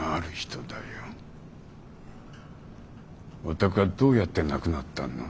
お宅はどうやって亡くなったの。